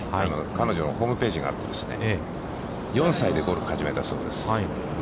彼女のホームページがあって、４歳でゴルフを始めたそうです。